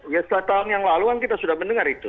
ya setahun yang lalu kan kita sudah mendengar itu